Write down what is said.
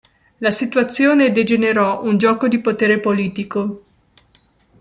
La situazione degenerò un gioco di potere politico.